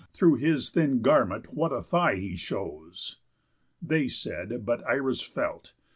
Through his thin garment what a thigh he shows!" They said; but Irus felt.